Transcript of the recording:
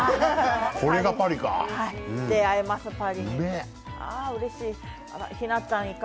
これがパリか。